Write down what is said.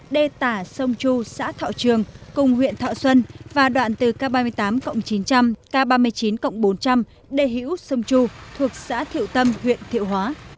đê tả sông chu xã thọ trường cùng huyện thọ xuân và đoạn từ k ba mươi tám chín trăm linh k ba mươi chín bốn trăm linh đê hữu sông chu thuộc xã thiệu tâm huyện thiệu hóa